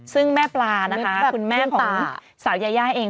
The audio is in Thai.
ซึ่งแม่ปลานะคะคุณแม่ของสาวยายาเอง